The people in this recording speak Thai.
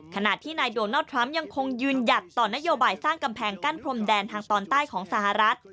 ขณะที่นายโดนัลด์ทรัมป์ยังคงยืนหยัดต่อนโยบายสร้างกำแพงกั้นพรมแดนทางตอนใต้ของสหรัฐ